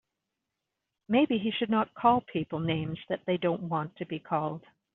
Maybe he should not call people names that they don't want to be called.